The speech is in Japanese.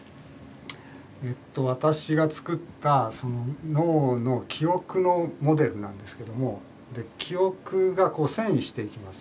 私が作った脳の記憶のモデルなんですけども記憶がこう遷移していきます。